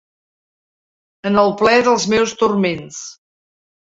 En el ple dels meus turments.